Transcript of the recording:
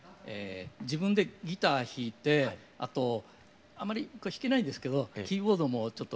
自分でギター弾いてあとあまり僕弾けないんですけどキーボードもちょっと。